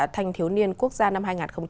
thanh thiếu niên quốc gia năm hai nghìn hai mươi